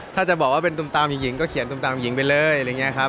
ถ้าจะบอกว่าเป็นตุ่มตามหญิงก็เขียนตุ่มตามหญิงไปเลย